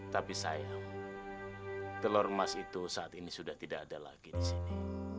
tapi sayang telur emas itu saat ini sudah tidak ada lagi di sini